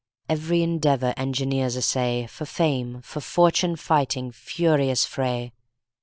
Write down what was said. Every endeavor engineers essay, For fame, for fortune fighting furious fray!